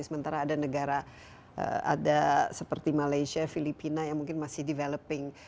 sementara ada negara ada seperti malaysia filipina yang mungkin masih developing